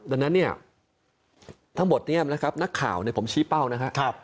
ดังนั้นเนี่ยทั้งหมดนี้นะครับนักข่าวผมชี้เป้านะครับ